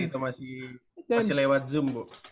itu masih lewat zoom bu